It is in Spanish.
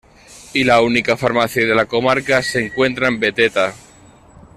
Y la única farmacia de la comarca se encuentra en Beteta.